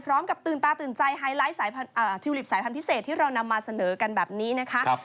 ตื่นตาตื่นใจไฮไลท์ทิวลิปสายพันธุเศษที่เรานำมาเสนอกันแบบนี้นะคะ